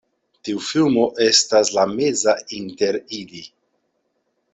Tiu filmo estas la meza inter ili.